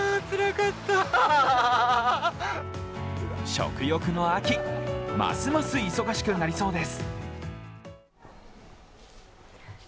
食欲の秋、ますます忙しくなりそうです。